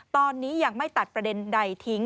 ตอนนี้ยังไม่ตัดประเด็นใดทิ้ง